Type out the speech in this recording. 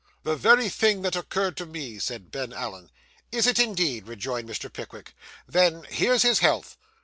'The very thing that occurred to me,' said Ben Allen. 'Is it, indeed?' rejoined Mr. Pickwick. 'Then here's his health!